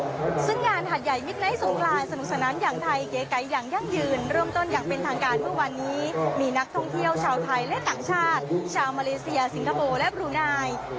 มีนักท่องเที่ยวชาวไทยและต่างชาติชาวมาเลเซียสิงคโปร์และบรูไนด์